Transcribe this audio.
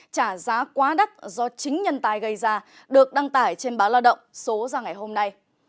trả giá quá đắt do chính nhân tài gây ra được đăng tải trên báo lao động số ra ngày hôm nay